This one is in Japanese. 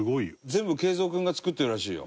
全部桂三君が作ってるらしいよ。